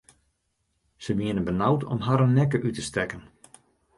Se wienen benaud om harren nekke út te stekken.